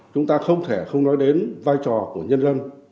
chúng ta không thể không nói đến vai trò của nhân dân